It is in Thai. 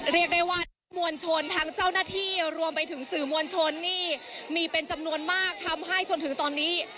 เรียกได้ว่าทั้งมวลชนทั้งเจ้าหน้าที่รวมไปถึงสื่อมวลชนนี่มีเป็นจำนวนมากทำให้จนถึงตอนนี้